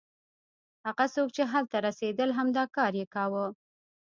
هغه څوک چې هلته رسېدل همدا کار یې کاوه.